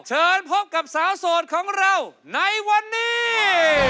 เชิญพบกับสาวโสดของเราในวันนี้